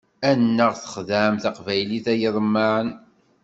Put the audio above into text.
Annaɣ txedɛem taqbaylit ay iḍemmaɛen!